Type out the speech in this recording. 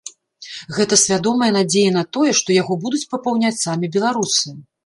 Гэта свядомая надзея на тое, што яго будуць папаўняць самі беларусы.